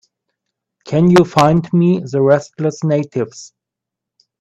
Can you find me the Restless Natives?